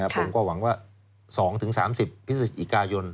ผมก็หวังว่า๒๓๐พิศิษฐ์อีกายน